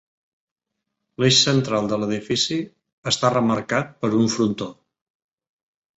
L'eix central de l'edifici està remarcat per un frontó.